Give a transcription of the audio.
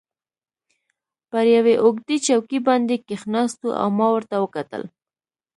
پر یوې اوږدې چوکۍ باندې کښېناستو او ما ورته وکتل.